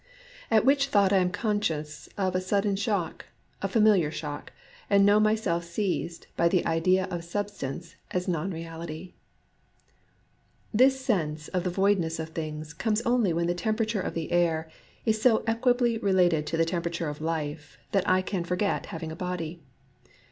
At which thought I am conscious of a sudden soft shock, a familiar shock, and know DUST 87 myself seized by the idea of Substance as Non Keality. This sense of the voidness of things comes only when the temperature of the air is so equably related to the temperature of life that I can forget having a body.